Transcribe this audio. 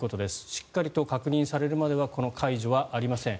しっかりと確認されるまではこの解除はありません。